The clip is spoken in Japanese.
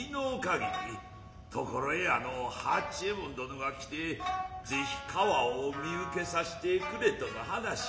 ところへアノ八右衛門殿が来て是非川を身請けさせてくれとの話。